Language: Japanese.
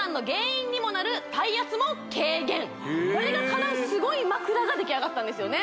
これがかなうスゴい枕が出来上がったんですよね